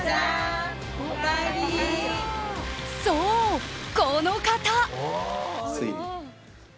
そう、この方！